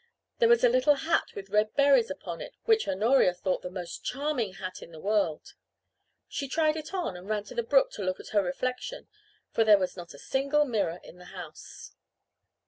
There was a little hat with red berries upon it which Honoria thought the most charming hat in the world. She tried it on and ran to the brook to look at her reflection, for there was not a single mirror in the house.